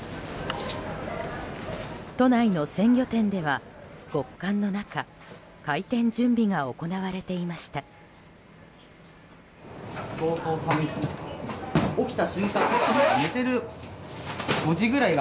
都内の鮮魚店では、極寒の中開店準備が行われていました。